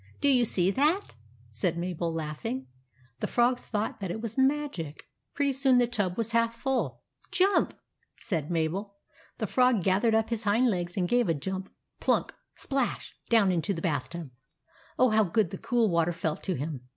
"Do you see that?" said Mabel, laugh ing. The Frog thought that it was magic. Pretty soon the tub was half full. "Jump!" said Mabel. The Frog gathered up his hind legs and gave a jump — plunk! splash! down into the bath tub. Oh, how good the cool water felt to him